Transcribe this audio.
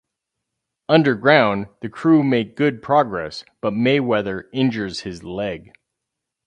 Underground, the crew make good progress, but Mayweather injures his leg.